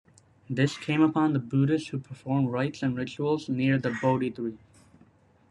This came upon the Buddhists who performed rites and rituals near the Bodhi tree.